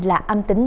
là âm tính